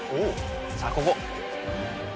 さあここ！